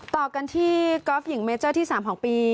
ต่อกันที่กอล์ฟหญิงเมเจอร์ที่๓ของปี